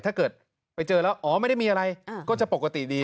ถ้าเกิดไปเจอแล้วอ๋อไม่ได้มีอะไรก็จะปกติดี